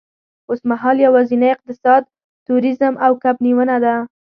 اوسمهال یوازېنی اقتصاد تورېزم او کب نیونه ده.